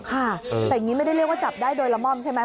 ค่ะแต่อย่างนี้ไม่ได้เรียกว่าจับได้โดยละม่อมใช่ไหม